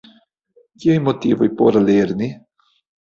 Kiaj motivoj por lerni?